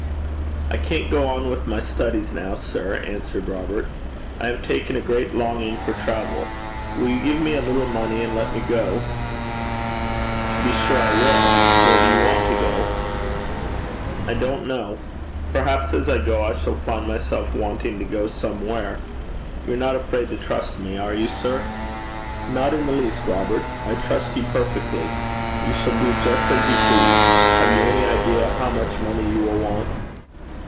'I can't go on with my studies now, sir,' answered Robert. 'I have taken a great longing for travel. Will you give me a little money and let me go?' 'To be sure I will. Where do you want to go?' 'I don't know. Perhaps as I go I shall find myself wanting to go somewhere. You're not afraid to trust me, are you, sir?' 'Not in the least, Robert. I trust you perfectly. You shall do just as you please. Have you any idea, how much money you will want?'